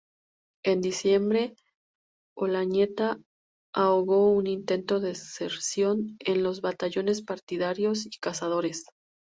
En diciembre Olañeta ahogó un intento de deserción en los batallones Partidarios y Cazadores.